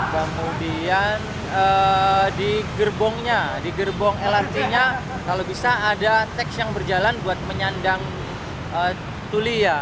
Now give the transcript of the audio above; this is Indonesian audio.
kemudian di gerbongnya di gerbong lrt nya kalau bisa ada teks yang berjalan buat menyandang tuli ya